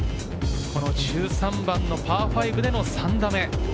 １３番のパー５での３打目。